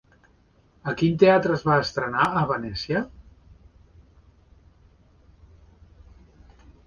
A quin teatre es va estrenar a Venècia?